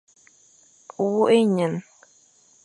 Wôkh ényan.